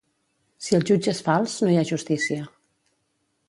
Si el jutge és fals, no hi ha justícia.